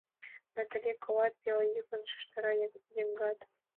— Натали, колат? — пеле йӱкын шижтара Йыгнат.